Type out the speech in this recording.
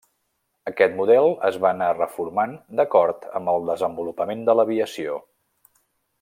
Aquest model es va anar reformant d'acord amb el desenvolupament de l'aviació.